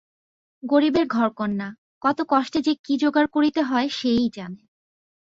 গরিবের ঘরকন্না, কত কষ্টে যে কি জোগাড় করিতে হয় সে-ই জানে।